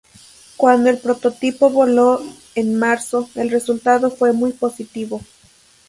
Cuando el prototipo voló en marzo, el resultado fue muy positivo.